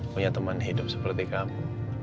punya teman hidup seperti kamu